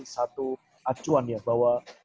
satu acuan ya bahwa